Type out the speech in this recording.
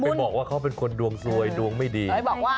ไปบอกว่าเขาเป็นคนดวงสวยดวงไม่ดี